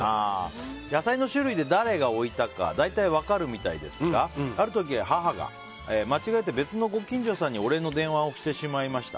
野菜の種類で誰が置いたか大体分かるみたいですがある時、母が間違えて別のご近所さんにお礼の電話をしてしまいました。